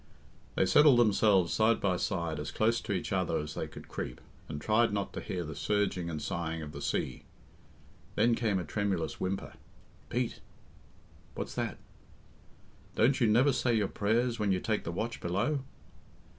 They settled themselves side by side as close to each other as they could creep, and tried not to hear the surging and sighing of the sea. Then came a tremulous whimper: "Pete!" "What's that?" "Don't you never say your prayers when you take the watch below?"